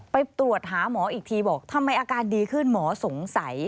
ไปตรวจหาหมออีกทีบอกทำไมอาการดีขึ้นหมอสงสัย